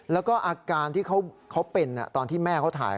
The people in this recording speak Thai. แล้วก็อาการที่เขาเป็นตอนที่แม่เขาถ่าย